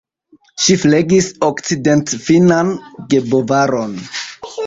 Ŝi flegis okcidentfinnan gebovaron.